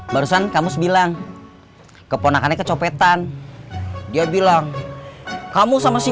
barusan kamu bilang keponakannya kecopetan dia bilang kamu sama si